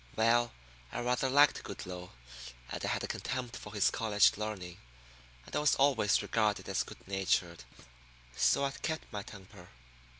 Well, I rather liked Goodloe, and I had a contempt for his college learning, and I was always regarded as good natured, so I kept my temper.